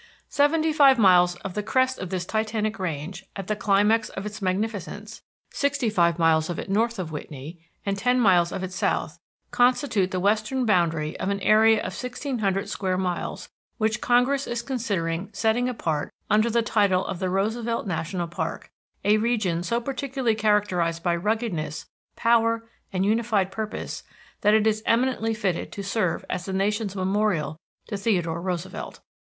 Seventy five miles of the crest of this titanic range at the climax of its magnificence, sixty five miles of it north of Whitney and ten miles of it south, constitute the western boundary of an area of sixteen hundred square miles which Congress is considering setting apart under the title of the Roosevelt National Park; a region so particularly characterized by ruggedness, power, and unified purpose that it is eminently fitted to serve as the nation's memorial to Theodore Roosevelt.